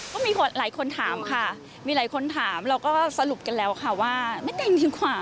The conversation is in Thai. ก็มีหลายคนถามค่ะมีหลายคนถามเราก็สรุปกันแล้วค่ะว่าไม่แต่งดีกว่า